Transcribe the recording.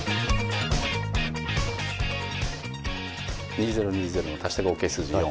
２０２０の足した合計数字４。